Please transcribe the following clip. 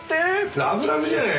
ラブラブじゃねえ！